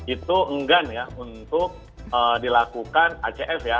itu enggan ya untuk dilakukan acs ya